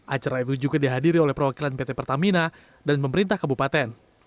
acara itu juga dihadiri oleh perwakilan pt pertamina dan pemerintah kabupaten